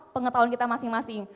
pengetahuan kita masing masing